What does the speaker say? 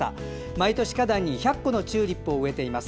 毎年、花壇に１００個のチューリップを植えています。